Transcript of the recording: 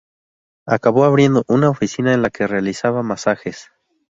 Acabó abriendo una oficina en la que realizaba masajes.